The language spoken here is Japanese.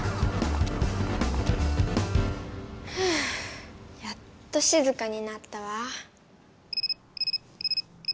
ふうやっとしずかになったわ。